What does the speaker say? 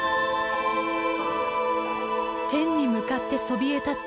天に向かってそびえたつ